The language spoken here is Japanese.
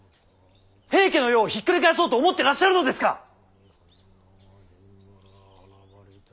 平家の世をひっくり返そうと思ってらっしゃるのですか！